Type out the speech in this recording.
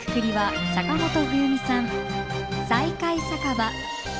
「再会酒場」。